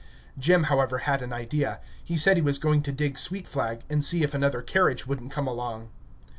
Jim, however, had an idea; he said he was going to dig sweet flag, and see if another carriage wouldn't come along.